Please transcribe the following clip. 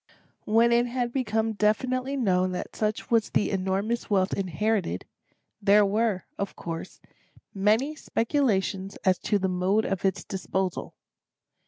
{*1} When it had become definitely known that such was the enormous wealth inherited, there were, of course, many speculations as to the mode of its disposal.